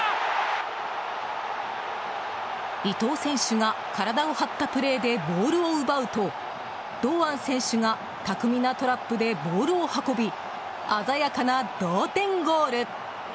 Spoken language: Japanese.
伊東選手が体を張ったプレーでボールを奪うと堂安選手が巧みなトラップでボールを運び鮮やかな同点ゴール。